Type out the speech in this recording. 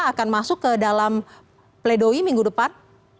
akan masuk ke dalam pledoi minggu depan